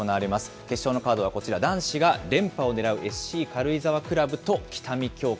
決勝のカードはこちら、男子が連覇を狙うＳＣ軽井沢クラブと北見協会。